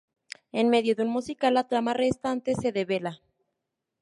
En medio de un musical, la trama restante se devela.